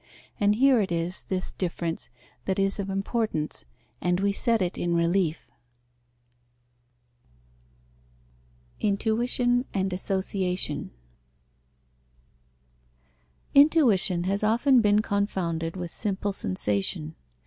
And here it is this difference that is of importance and we set it in relief. Intuition and association. Intuition has often been confounded with simple sensation.